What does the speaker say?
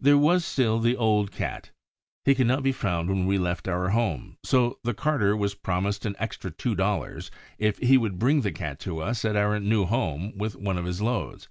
There was still the old Cat. He could not be found when we left our home, so the carter was promised an extra two dollars if he would bring the Cat to us at our new home with one of his loads.